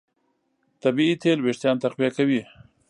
طبیعي تېل وېښتيان تقویه کوي.